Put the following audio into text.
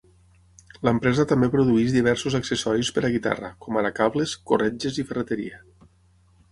L'empresa també produeix diversos accessoris per a guitarra, com ara cables, corretges i ferreteria.